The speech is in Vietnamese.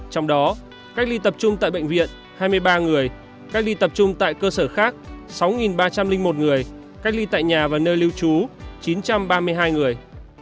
trong đó cách ly tập trung tại bệnh viện hai mươi ba người cách ly tập trung tại cơ sở khác sáu ba trăm linh một người cách ly tại nhà và nơi lưu trú chín trăm ba mươi hai người